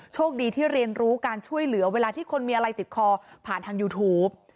โชคดีที่เรียนรู้การช่วยเหลือเวลาที่คนมีอะไรติดคอผ่านทางยูทูป